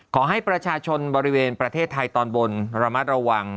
ขอให้ประชาชนบริเวณประเทศไทยตอนบนระมัดระวัง